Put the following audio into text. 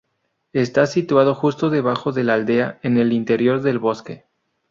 Está situado justo debajo de la aldea en el interior del bosque.